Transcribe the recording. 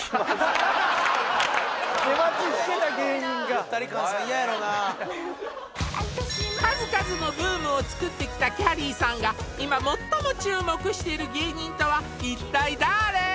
ゆったり感さん嫌やろな数々のブームを作ってきたきゃりーさんが今最も注目している芸人とは一体だーれ？